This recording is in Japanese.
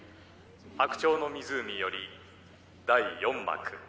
「白鳥の湖」より第４幕。